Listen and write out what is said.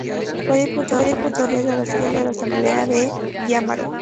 Fue diputado por Las Villas a la Asamblea de Guáimaro.